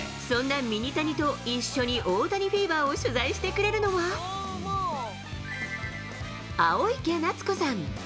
そんなミニタニと一緒に大谷フィーバーを取材してくれるのは、青池奈津子さん。